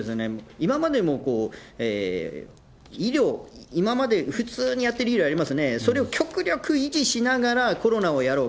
今までも、医療、今まで普通にやってる医療ありますよね、それを極力維持しながらコロナをやろう。